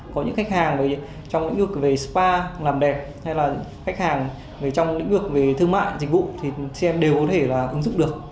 có những khách hàng trong lĩnh vực về spa làm đẹp hay là khách hàng trong lĩnh vực về thương mại dịch vụ thì cm đều có thể là ứng dụng được